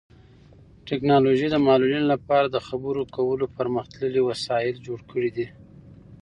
ټیکنالوژي د معلولینو لپاره د خبرو کولو پرمختللي وسایل جوړ کړي دي.